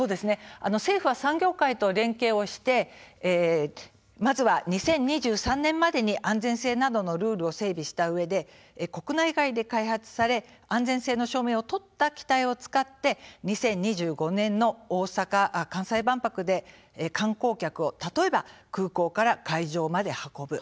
政府は産業界と連携をしてまずは２０２３年までに安全性などのルールを整備したうえで国内外で開発され安全性の証明を取った機体を使って２０２５年の大阪・関西万博で観光客を例えば空港から会場まで運ぶ。